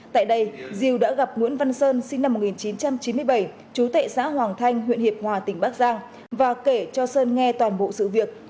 tại đây diều đã gặp nguyễn văn sơn sinh năm một nghìn chín trăm chín mươi bảy chú tệ xã hoàng thanh huyện hiệp hòa tỉnh bắc giang và kể cho sơn nghe toàn bộ sự việc